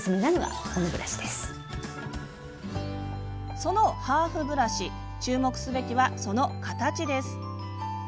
そのハーフブラシ注目すべきは、その形です。